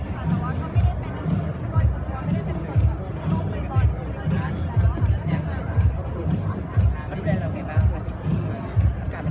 มันก็จะดีกว่าที่เราอยากกินมันก็จะดีกว่าที่เราอยากกิน